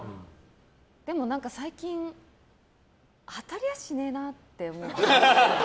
でも最近当たりゃしねえなって思う。